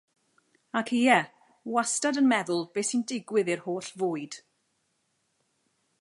Ac ie, wastad wedi meddwl beth sy'n digwydd i'r holl fwyd.